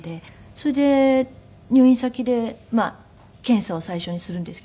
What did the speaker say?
それで入院先で検査を最初にするんですけど。